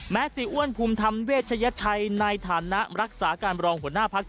แม้ศรีอ้วนภูมิทำเวชญชัยในฐานะรักษาการบรองหัวหน้าภักดิ์